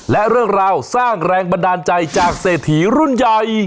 และเรื่องราวสร้างแรงบันดาลใจจากเศรษฐีรุ่นใหญ่